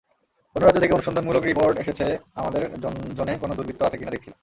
অন্য রাজ্য থেকে অনুসন্ধানমূলক রিপোর্ট এসেছে, আমাদের জোনে কোনো দুর্বৃত্ত আছে কি-না দেখছিলাম।